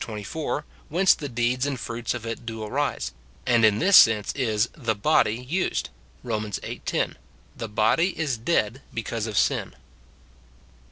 24, whence the deeds and fruits of it do arise ; and in this sense is the body used, Rom. viii. 10 :" The body is dead because of sin."